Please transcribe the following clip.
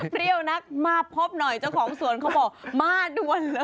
เปรี้ยวนักมาพบหน่อยเจ้าของสวนเขาบอกมาด้วยเลย